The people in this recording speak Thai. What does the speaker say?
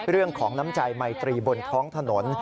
เรื่องของน้ำใจไม่ตรีบนคล้องถนน